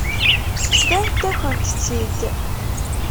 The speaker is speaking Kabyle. Fkant-akent-tt-id.